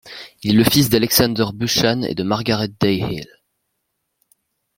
Il est le fils d'Alexander Buchan et de Margaret Day Hill.